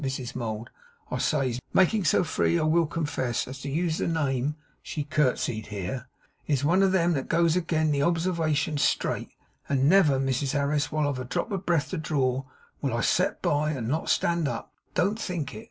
Mrs Mould," I says, making so free, I will confess, as use the name,' (she curtseyed here), '"is one of them that goes agen the obserwation straight; and never, Mrs Harris, whilst I've a drop of breath to draw, will I set by, and not stand up, don't think it."